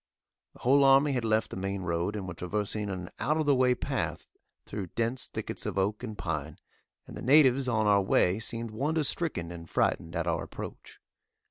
The whole army had left the main road and were traversing an out of the way path through dense thickets of oak and pine, and the natives on our way seemed wonder stricken and frightened at our approach.